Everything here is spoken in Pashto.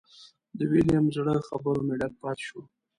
د ویلیم زړه خبرو مې ډک پاتې شو.